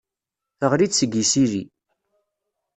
Teɣli-d seg yisili.